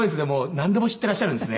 なんでも知っていらっしゃるんですね。